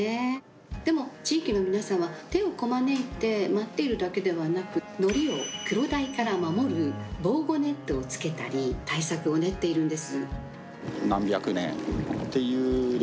でも地域の皆さんは手をこまねいて待っているだけではなく、のりをクロダイから守る防護ネットをつけたり対策を練っているんです。